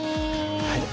はい。